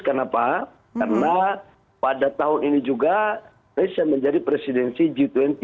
kenapa karena pada tahun ini juga indonesia menjadi presidensi g dua puluh